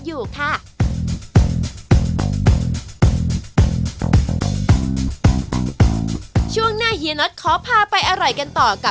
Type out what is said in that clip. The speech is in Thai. ขอบคุณมากค่ะ